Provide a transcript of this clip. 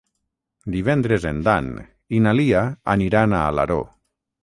Divendres en Dan i na Lia aniran a Alaró.